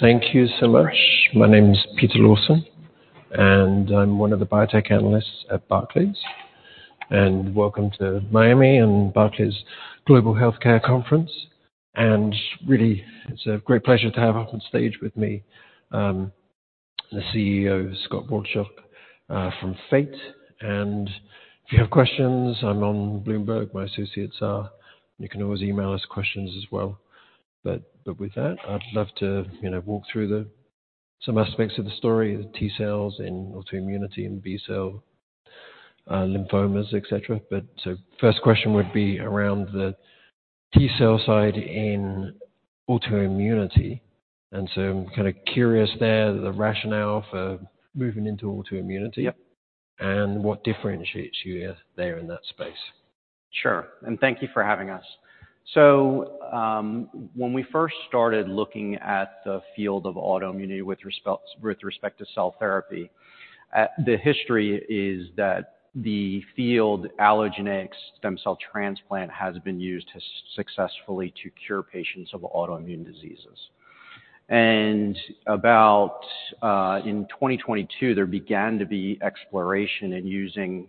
Thank you so much. My name is Peter Lawson, and I'm one of the biotech analysts at Barclays. Welcome to Miami and Barclays Global Healthcare Conference. Really, it's a great pleasure to have up on stage with me, the CEO, Scott Wolchko, from Fate. If you have questions, I'm on Bloomberg. My associates are. You can always email us questions as well. But with that, I'd love to, you know, walk through some aspects of the story, the T cells in autoimmunity and B-cell lymphomas, et cetera. So first question would be around the T cell side in autoimmunity, and so I'm kind of curious there, the rationale for moving into autoimmunity- Yep. What differentiates you there in that space? Sure, and thank you for having us. So, when we first started looking at the field of autoimmunity with respect, with respect to cell therapy, the history is that the field allogeneic stem cell transplant has been used successfully to cure patients of autoimmune diseases. And about, in 2022, there began to be exploration in using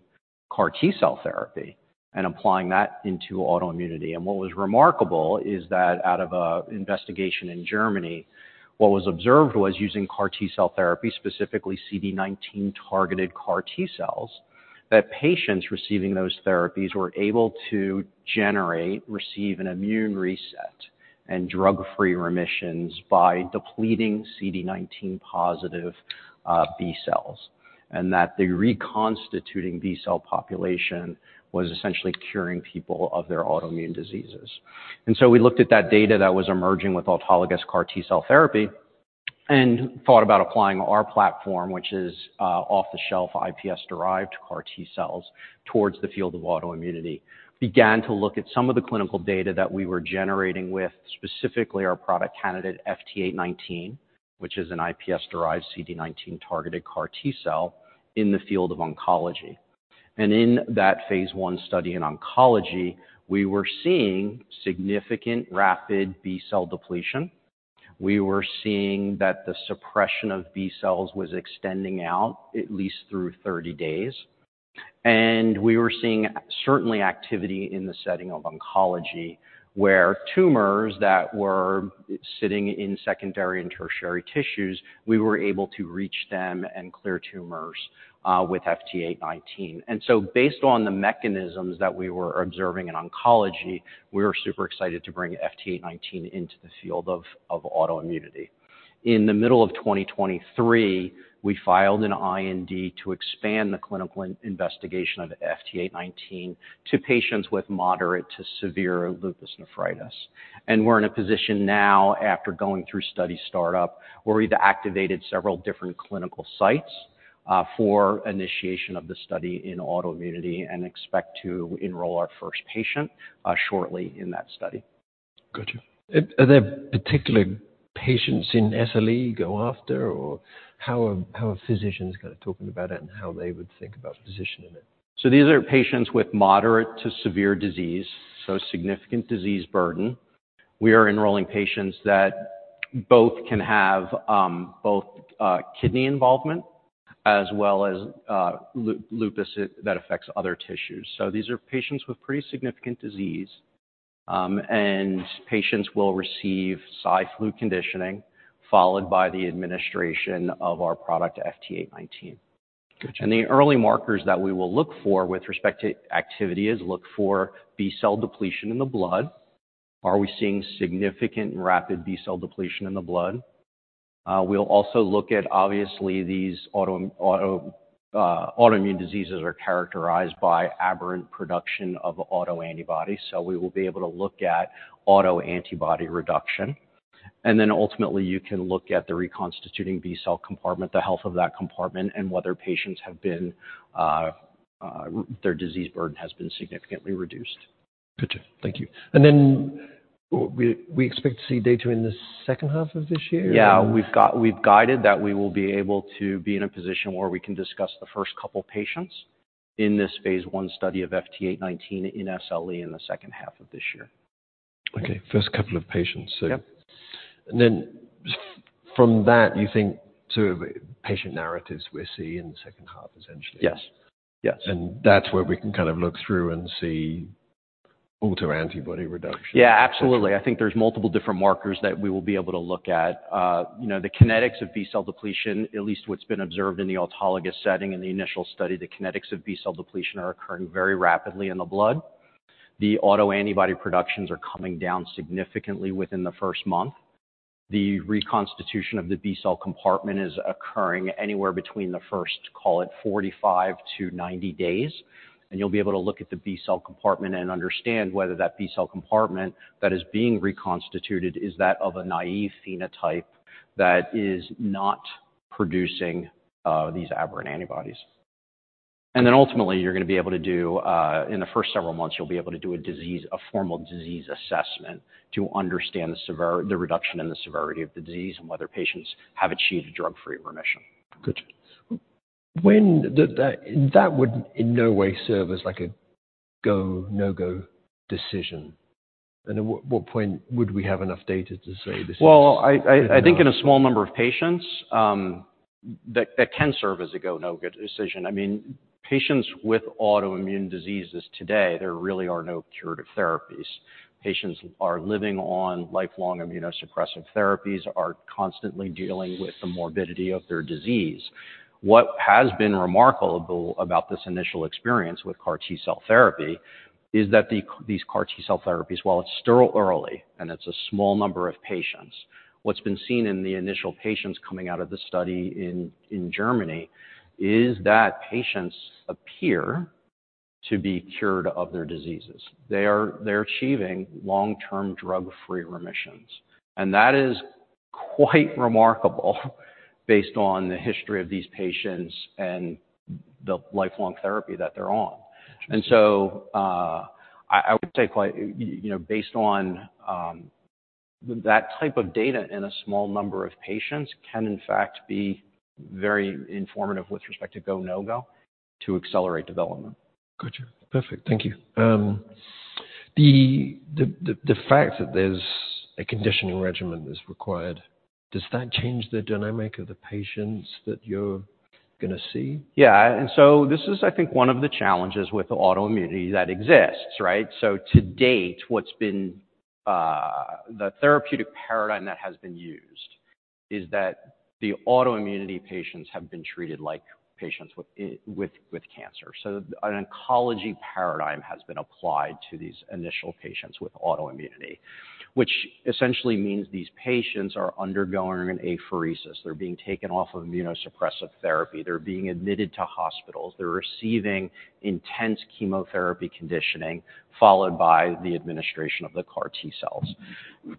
CAR T-cell therapy and applying that into autoimmunity. And what was remarkable is that out of a investigation in Germany, what was observed was using CAR T-cell therapy, specifically CD19 targeted CAR T-cells, that patients receiving those therapies were able to generate, receive an immune reset and drug-free remissions by depleting CD19 positive B cells, and that the reconstituting B-cell population was essentially curing people of their autoimmune diseases. So we looked at that data that was emerging with autologous CAR T-cell therapy and thought about applying our platform, which is off-the-shelf iPS-derived CAR T-cells, towards the field of autoimmunity. Began to look at some of the clinical data that we were generating with, specifically our product candidate, FT819, which is an iPS-derived CD19 targeted CAR T-cell in the field of oncology. In that phase I study in oncology, we were seeing significant rapid B-cell depletion. We were seeing that the suppression of B cells was extending out at least through 30 days, and we were seeing certainly activity in the setting of oncology, where tumors that were sitting in secondary and tertiary tissues, we were able to reach them and clear tumors with FT819. So based on the mechanisms that we were observing in oncology, we were super excited to bring FT819 into the field of autoimmunity. In the middle of 2023, we filed an IND to expand the clinical investigation of FT819 to patients with moderate to severe lupus nephritis. We're in a position now, after going through study start-up, where we've activated several different clinical sites for initiation of the study in autoimmunity and expect to enroll our first patient shortly in that study. Got you. Are there particular patients in SLE go after, or how are physicians kind of talking about it and how they would think about positioning it? So these are patients with moderate to severe disease, so significant disease burden. We are enrolling patients that both can have, both, kidney involvement as well as, lupus that affects other tissues. So these are patients with pretty significant disease, and patients will receive Cy/Flu conditioning, followed by the administration of our product, FT819. Got you. And the early markers that we will look for with respect to activity is look for B-cell depletion in the blood. Are we seeing significant rapid B-cell depletion in the blood? We'll also look at, obviously, these autoimmune diseases are characterized by aberrant production of autoantibodies, so we will be able to look at autoantibody reduction. And then ultimately, you can look at the reconstituting B-cell compartment, the health of that compartment, and whether patients have been, their disease burden has been significantly reduced. Got you. Thank you. And then we expect to see data in the second half of this year? Yeah. We've guided that we will be able to be in a position where we can discuss the first couple patients in this phase I study of FT819 in SLE in the second half of this year. Okay, first couple of patients. Yep. And then from that, you think sort of patient narratives we're seeing in the second half, essentially? Yes. Yes. That's where we can kind of look through and see autoantibody reduction. Yeah, absolutely. I think there's multiple different markers that we will be able to look at. You know, the kinetics of B-cell depletion, at least what's been observed in the autologous setting in the initial study, the kinetics of B-cell depletion are occurring very rapidly in the blood. The autoantibody productions are coming down significantly within the first month. The reconstitution of the B-cell compartment is occurring anywhere between the first, call it 45-90 days, and you'll be able to look at the B-cell compartment and understand whether that B-cell compartment that is being reconstituted is that of a naive phenotype that is not producing these aberrant antibodies. Then ultimately, you're going to be able to do, in the first several months, you'll be able to do a disease, a formal disease assessment to understand the reduction in the severity of the disease and whether patients have achieved a drug-free remission. Got you. When that would in no way serve as like a go, no-go decision? And at what point would we have enough data to say this is- Well, I think in a small number of patients, that can serve as a go-no-go decision. I mean, patients with autoimmune diseases today, there really are no curative therapies. Patients are living on lifelong immunosuppressive therapies, are constantly dealing with the morbidity of their disease. What has been remarkable about this initial experience with CAR T-cell therapy is that these CAR T-cell therapies, while it's still early and it's a small number of patients, what's been seen in the initial patients coming out of the study in Germany is that patients appear to be cured of their diseases. They're achieving long-term, drug-free remissions, and that is quite remarkable based on the history of these patients and the lifelong therapy that they're on. And so, I would say quite, you know, based on that type of data in a small number of patients can, in fact, be very informative with respect to go, no-go to accelerate development. Gotcha. Perfect. Thank you. The fact that there's a conditioning regimen is required, does that change the dynamic of the patients that you're going to see? Yeah, and so this is, I think, one of the challenges with autoimmunity that exists, right? So to date, what's been the therapeutic paradigm that has been used is that the autoimmunity patients have been treated like patients with cancer. So an oncology paradigm has been applied to these initial patients with autoimmunity, which essentially means these patients are undergoing apheresis. They're being taken off of immunosuppressive therapy. They're being admitted to hospitals. They're receiving intense chemotherapy conditioning, followed by the administration of the CAR T-cells.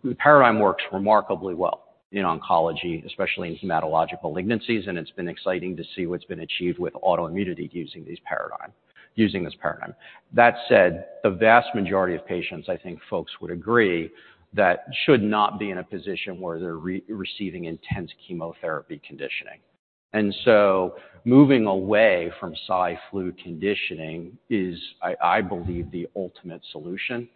The paradigm works remarkably well in oncology, especially in hematological malignancies, and it's been exciting to see what's been achieved with autoimmunity using this paradigm. That said, the vast majority of patients, I think folks would agree, that should not be in a position where they're receiving intense chemotherapy conditioning. And so moving away from Cy/Flu conditioning is, I, I believe, the ultimate solution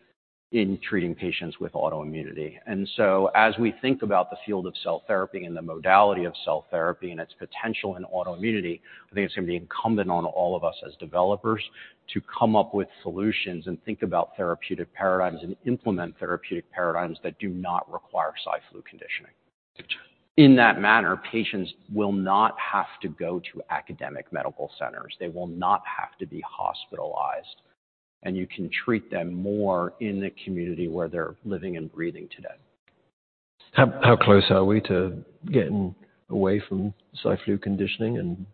in treating patients with autoimmunity. And so as we think about the field of cell therapy and the modality of cell therapy and its potential in autoimmunity, I think it's going to be incumbent on all of us as developers to come up with solutions and think about therapeutic paradigms and implement therapeutic paradigms that do not require Cy/Flu conditioning. Gotcha. In that manner, patients will not have to go to academic medical centers. They will not have to be hospitalized, and you can treat them more in the community where they're living and breathing today. How, how close are we to getting away from Cy/Flu conditioning? And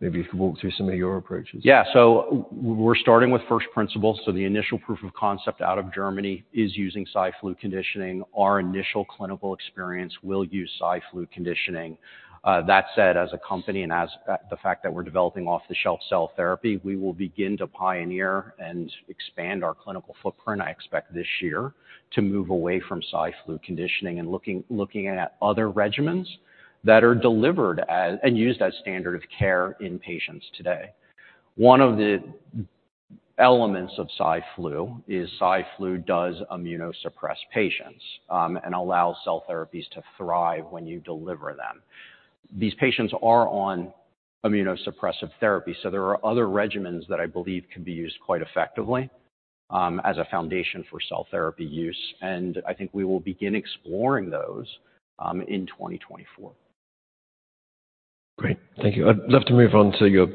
maybe you could walk through some of your approaches. Yeah. So we're starting with first principles, so the initial proof of concept out of Germany is using Cy/Flu conditioning. Our initial clinical experience will use Cy/Flu conditioning. That said, as a company and as the fact that we're developing off-the-shelf cell therapy, we will begin to pioneer and expand our clinical footprint, I expect this year, to move away from Cy/Flu conditioning and looking at other regimens that are delivered as and used as standard of care in patients today. One of the elements of Cy/Flu is Cy/Flu does immunosuppress patients, and allows cell therapies to thrive when you deliver them. These patients are on immunosuppressive therapy, so there are other regimens that I believe can be used quite effectively, as a foundation for cell therapy use, and I think we will begin exploring those in 2024. Great. Thank you. I'd love to move on to your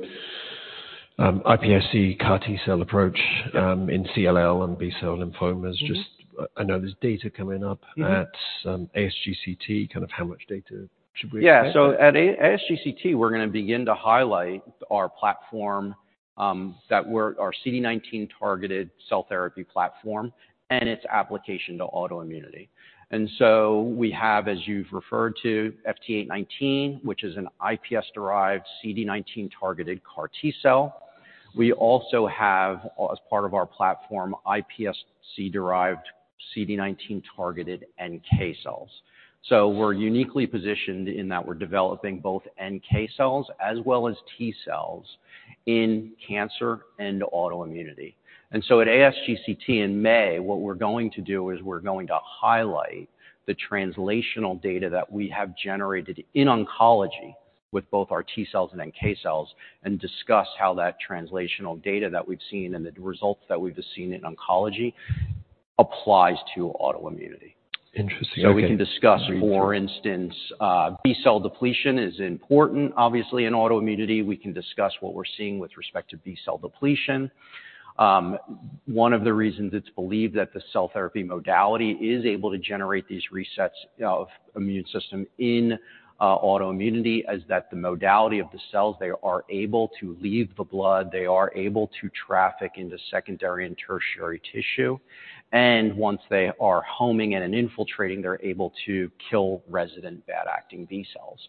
iPSC CAR T-cell approach- Yep... in CLL and B-cell lymphomas. Mm-hmm. Just, I know there's data coming up- Mm-hmm... at, ASGCT. Kind of how much data should we expect? Yeah. So at ASGCT, we're going to begin to highlight our platform, that is our CD19-targeted cell therapy platform and its application to autoimmunity. And so we have, as you've referred to, FT819, which is an iPS-derived CD19-targeted CAR T-cell. We also have, as part of our platform, iPSC-derived CD19-targeted NK cells. So we're uniquely positioned in that we're developing both NK cells as well as T cells in cancer and autoimmunity. And so at ASGCT in May, what we're going to do is we're going to highlight the translational data that we have generated in oncology with both our T cells and NK cells and discuss how that translational data that we've seen and the results that we've seen in oncology applies to autoimmunity. Interesting. So we can discuss, for instance, B-cell depletion is important, obviously, in autoimmunity. We can discuss what we're seeing with respect to B-cell depletion. One of the reasons it's believed that the cell therapy modality is able to generate these resets of immune system in autoimmunity is that the modality of the cells, they are able to leave the blood, they are able to traffic into secondary and tertiary tissue, and once they are homing in and infiltrating, they're able to kill resident bad acting B-cells.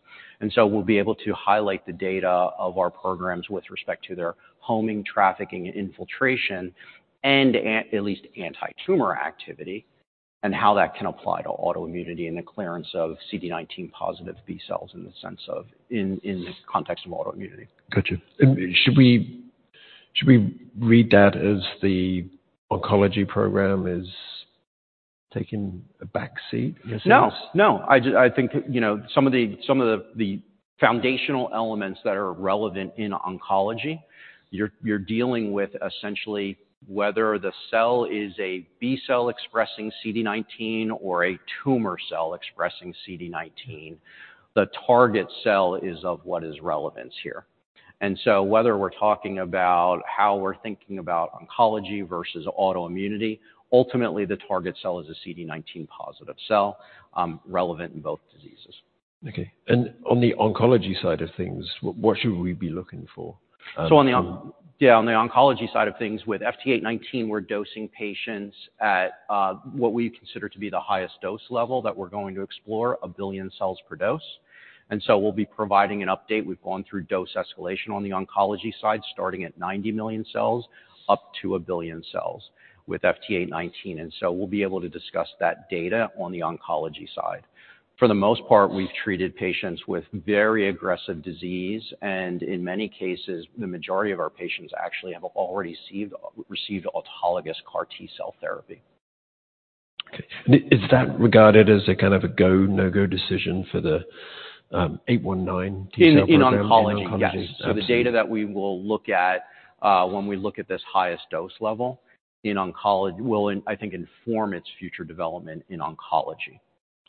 And so we'll be able to highlight the data of our programs with respect to their homing, trafficking, and infiltration and at least antitumor activity... and how that can apply to autoimmunity and the clearance of CD19 positive B cells in the sense of, in the context of autoimmunity. Got you. Should we read that as the oncology program is taking a back seat, I guess? No, no. I think, you know, some of the, some of the, the foundational elements that are relevant in oncology, you're, you're dealing with essentially whether the cell is a B cell expressing CD19 or a tumor cell expressing CD19. The target cell is of what is relevance here. And so whether we're talking about how we're thinking about oncology versus autoimmunity, ultimately the target cell is a CD19 positive cell, relevant in both diseases. Okay. On the oncology side of things, what should we be looking for? Yeah, on the oncology side of things, with FT819, we're dosing patients at what we consider to be the highest dose level that we're going to explore, 1 billion cells per dose. So we'll be providing an update. We've gone through dose escalation on the oncology side, starting at 90 million cells, up to 1 billion cells with FT819, and so we'll be able to discuss that data on the oncology side. For the most part, we've treated patients with very aggressive disease, and in many cases, the majority of our patients actually have already received autologous CAR T-cell therapy. Okay. And is that regarded as a kind of a go, no-go decision for the 819 T-cell program? In oncology, yes. In oncology. Absolutely. The data that we will look at, when we look at this highest dose level in oncology, will, I think, inform its future development in oncology.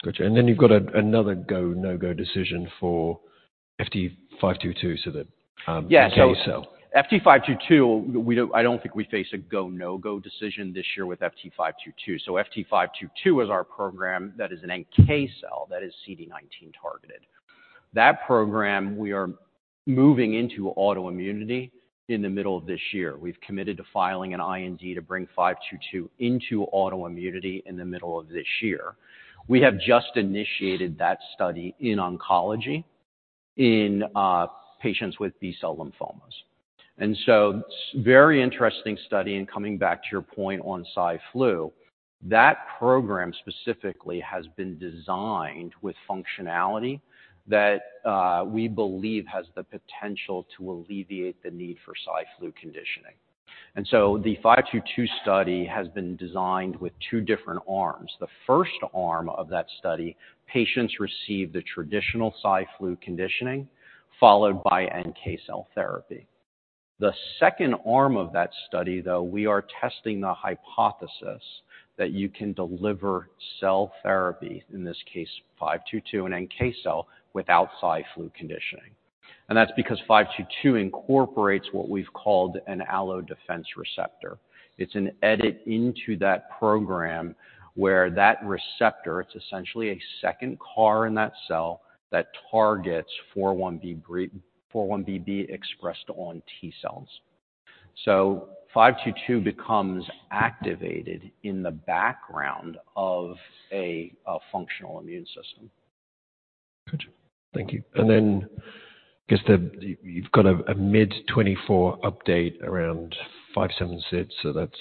Got you. And then you've got another go-no-go decision for FT522, so the NK cell. Yeah. So FT522, we don't... I don't think we face a go, no-go decision this year with FT522. So FT522 is our program that is an NK cell that is CD19 targeted. That program, we are moving into autoimmunity in the middle of this year. We've committed to filing an IND to bring 522 into autoimmunity in the middle of this year. We have just initiated that study in oncology, in patients with B-cell lymphomas. And so very interesting study, and coming back to your point on Cy/Flu, that program specifically has been designed with functionality that we believe has the potential to alleviate the need for Cy/Flu conditioning. And so the 522 study has been designed with two different arms. The first arm of that study, patients receive the traditional cy/Flu conditioning, followed by NK cell therapy. The second arm of that study, though, we are testing the hypothesis that you can deliver cell therapy, in this case, FT522, an NK cell, without cy/Flu conditioning. And that's because FT522 incorporates what we've called an alloimmune defense receptor. It's an edit into that program where that receptor, it's essentially a second CAR in that cell, that targets 4-1BB expressed on T cells. So FT522 becomes activated in the background of a, a functional immune system. Gotcha. Thank you. And then I guess you've got a mid-2024 update around 576, so that's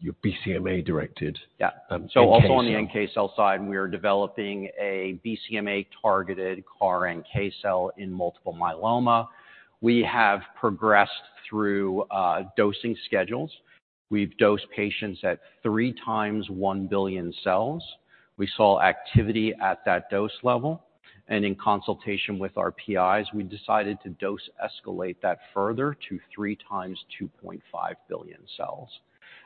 your BCMA-directed- Yeah. NK cell. So also on the NK cell side, we are developing a BCMA-targeted CAR NK cell in multiple myeloma. We have progressed through dosing schedules. We've dosed patients at three times 1 billion cells. We saw activity at that dose level, and in consultation with our PIs, we decided to dose escalate that further to three times 2.5 billion cells.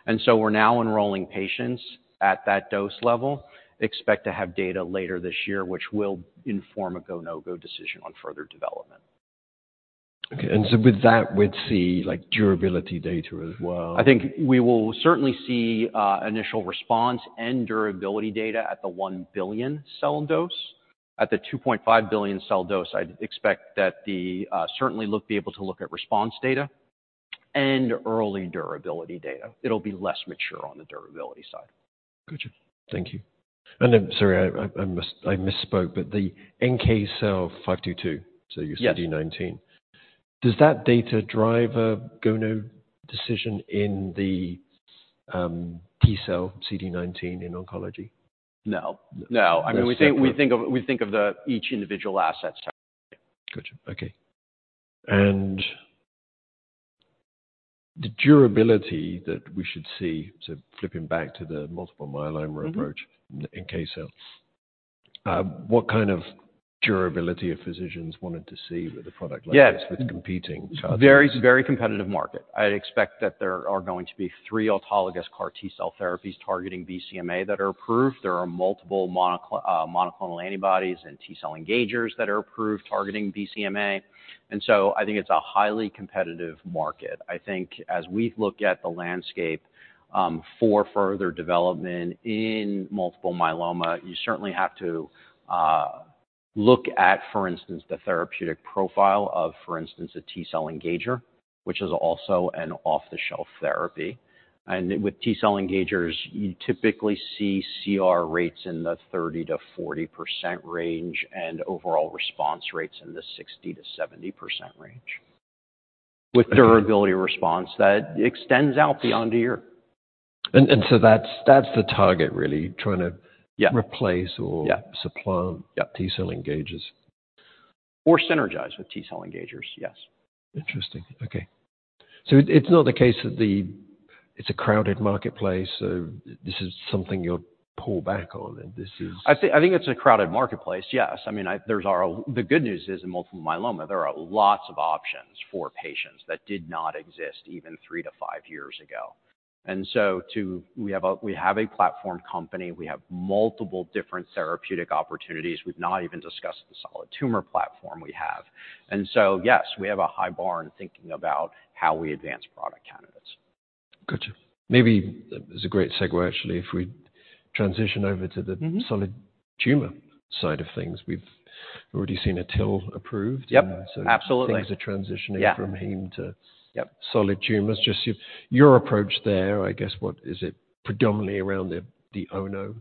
And so we're now enrolling patients at that dose level. Expect to have data later this year, which will inform a go, no-go decision on further development. Okay. And so with that, we'd see, like, durability data as well? I think we will certainly see, initial response and durability data at the 1 billion cell dose. At the 2.5 billion cell dose, I'd expect that the, certainly look, be able to look at response data and early durability data. It'll be less mature on the durability side. Gotcha. Thank you. And then, sorry, I misspoke, but the NK cell 522, so your- Yes... CD19, does that data drive a go/no-go decision in the T cell CD19 in oncology? No. No. No. That's- I mean, we think of each individual asset separately. Gotcha. Okay. And the durability that we should see, so flipping back to the multiple myeloma- Mm-hmm - approach in NK cell, what kind of durability are physicians wanting to see with a product like this? Yeah - with competing CAR-Ts? Very, very competitive market. I expect that there are going to be three autologous CAR T-cell therapies targeting BCMA that are approved. There are multiple monoclonal antibodies and T-cell engagers that are approved targeting BCMA, and so I think it's a highly competitive market. I think as we look at the landscape, for further development in multiple myeloma, you certainly have to look at, for instance, the therapeutic profile of, for instance, a T-cell engager, which is also an off-the-shelf therapy. And with T-cell engagers, you typically see CR rates in the 30%-40% range and overall response rates in the 60%-70% range with durability response that extends out beyond a year. So that's the target, really, trying to- Yeah. -replace or- Yeah. -supplant- Yeah - T-cell engagers. Or synergize with T-cell engagers, yes. Interesting. Okay. So it's not the case that the... It's a crowded marketplace, so this is something you'll pull back on, and this is- I think it's a crowded marketplace, yes. I mean, the good news is, in multiple myeloma, there are lots of options for patients that did not exist even three to five years ago. We have a platform company. We have multiple different therapeutic opportunities. We've not even discussed the solid tumor platform we have. And so, yes, we have a high bar in thinking about how we advance product candidates. Gotcha. Maybe as a great segue, actually, if we transition over to the- Mm-hmm -solid tumor side of things. We've already seen a TIL approved. Yep. Absolutely. Things are transitioning. Yeah from heme to Yep solid tumors. Just your approach there, I guess, what is it predominantly around the Ono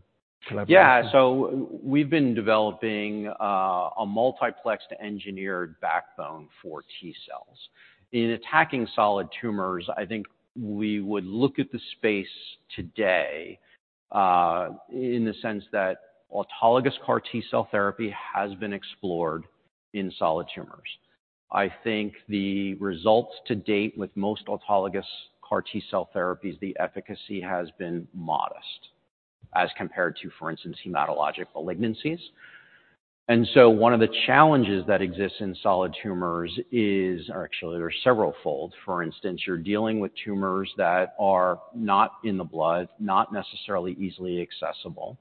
collaboration? Yeah. So we've been developing a multiplexed engineered backbone for T cells. In attacking solid tumors, I think we would look at the space today in the sense that autologous CAR T cell therapy has been explored in solid tumors. I think the results to date with most autologous CAR T cell therapies, the efficacy has been modest as compared to, for instance, hematologic malignancies. And so one of the challenges that exists in solid tumors is, or actually there are severalfold. For instance, you're dealing with tumors that are not in the blood, not necessarily easily accessible.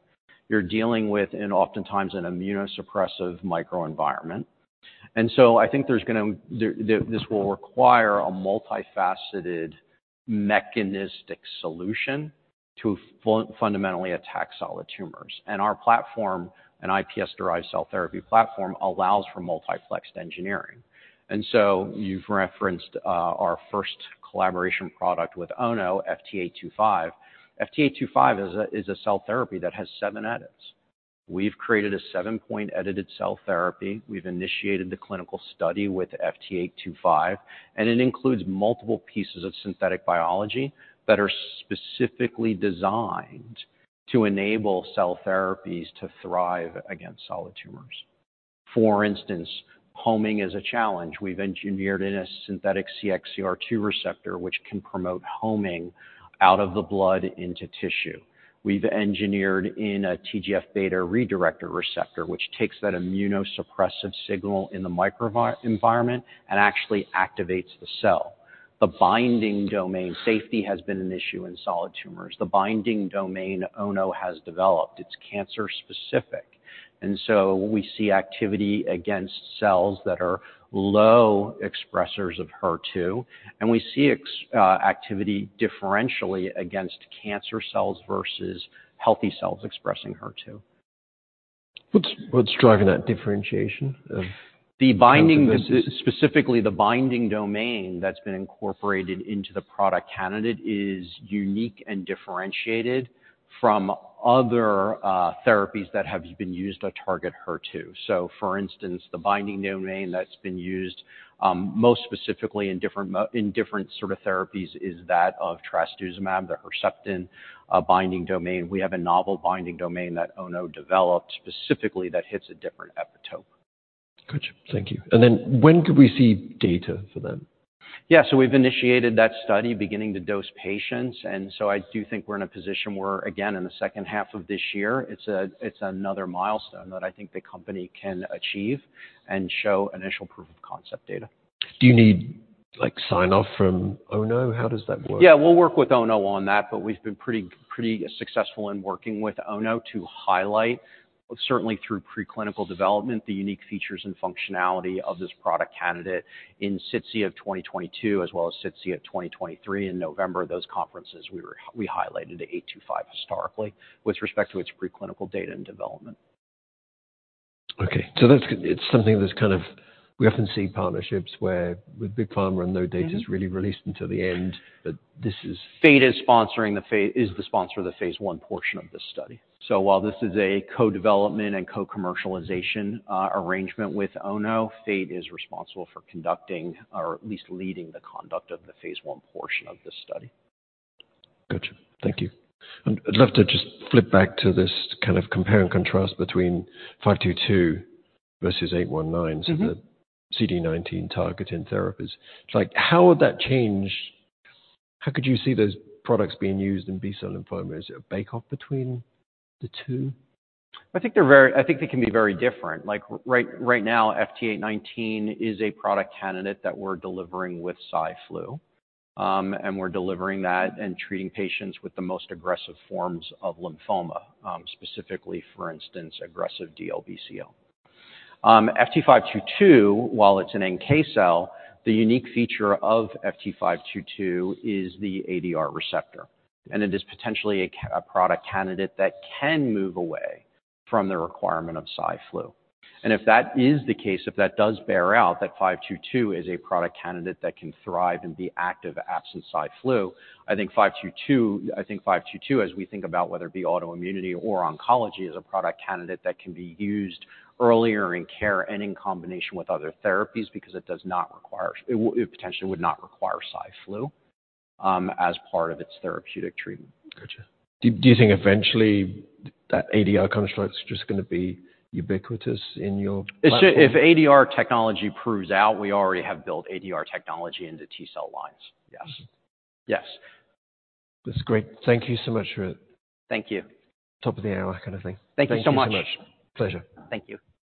You're dealing with, and oftentimes, an immunosuppressive microenvironment. And so I think there's gonna. This will require a multifaceted mechanistic solution to fundamentally attack solid tumors. And our platform, an iPS-derived cell therapy platform, allows for multiplexed engineering. And so you've referenced our first collaboration product with Ono, FT825. FT825 is a, is a cell therapy that has seven edits. We've created a seven-point edited cell therapy. We've initiated the clinical study with FT825, and it includes multiple pieces of synthetic biology that are specifically designed to enable cell therapies to thrive against solid tumors. For instance, homing is a challenge. We've engineered in a synthetic CXCR2 receptor, which can promote homing out of the blood into tissue. We've engineered in a TGF-beta redirector receptor, which takes that immunosuppressive signal in the microenvironment and actually activates the cell. The binding domain safety has been an issue in solid tumors. The binding domain Ono has developed, it's cancer specific, and so we see activity against cells that are low expressers of HER2, and we see activity differentially against cancer cells versus healthy cells expressing HER2. What's driving that differentiation of- The binding, specifically the binding domain that's been incorporated into the product candidate, is unique and differentiated from other therapies that have been used to target HER2. So for instance, the binding domain that's been used most specifically in different sort of therapies, is that of trastuzumab, the Herceptin binding domain. We have a novel binding domain that Ono developed specifically that hits a different epitope. Gotcha. Thank you. And then when could we see data for them? Yeah, so we've initiated that study, beginning to dose patients, and so I do think we're in a position where, again, in the second half of this year, it's a, it's another milestone that I think the company can achieve and show initial proof of concept data. Do you need, like, sign-off from Ono? How does that work? Yeah, we'll work with Ono on that, but we've been pretty, pretty successful in working with Ono to highlight, certainly through preclinical development, the unique features and functionality of this product candidate. In SITC of 2022, as well as SITC of 2023, in November, those conferences, we were, we highlighted 825 historically with respect to its preclinical data and development. Okay, so that's. It's something that's kind of... We often see partnerships where with big pharma and no data- Mm-hmm is really released until the end, but this is Fate is the sponsor of the phase I portion of this study. So while this is a co-development and co-commercialization arrangement with Ono, Fate is responsible for conducting, or at least leading the conduct of the phase I portion of this study. Gotcha. Thank you. And I'd love to just flip back to this kind of compare and contrast between FT522 versus FT819- Mm-hmm So the CD19 targeting therapies. Like, how would that change? How could you see those products being used in B-cell lymphoma? Is it a bake-off between the two? I think they can be very different. Like, right now, FT819 is a product candidate that we're delivering with Cy/Flu, and we're delivering that and treating patients with the most aggressive forms of lymphoma, specifically, for instance, aggressive DLBCL. FT522, while it's an NK cell, the unique feature of FT522 is the ADR receptor, and it is potentially a product candidate that can move away from the requirement of Cy/Flu. And if that is the case, if that does bear out, that FT522 is a product candidate that can thrive and be active absent Cy/Flu, I think FT522, I think FT522, as we think about whether it be autoimmunity or oncology, is a product candidate that can be used earlier in care and in combination with other therapies because it does not require... It potentially would not require Cy/Flu as part of its therapeutic treatment. Gotcha. Do you think eventually that ADR construct is just gonna be ubiquitous in your platform? It's. If ADR technology proves out, we already have built ADR technology into T cell lines. Yes. Yes. That's great. Thank you so much for- Thank you. Top of the hour kind of thing. Thank you so much! Thank you so much. Pleasure. Thank you.